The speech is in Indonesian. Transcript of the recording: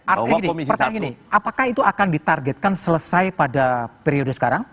artinya gini apakah itu akan ditargetkan selesai pada periode sekarang